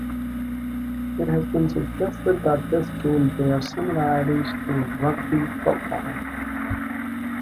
It has been suggested that this game bears similarities to rugby football.